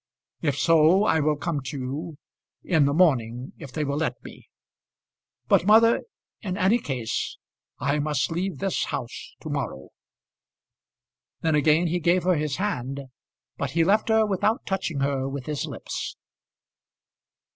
"If so I will come to you, in the morning if they will let me. But, mother, in any case I must leave this house to morrow." Then again he gave her his hand, but he left her without touching her with his lips.